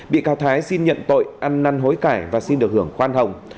bị cáo thái xin nhận tội ăn năn hối cải và xin được hưởng khoan hồng